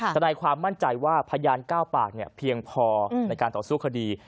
แต่ในความมั่นใจว่าพยานก้าวปากเนี่ยเพียงพอในการต่อสู้คดี